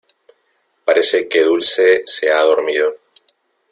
parece que Dulce se ha dormido.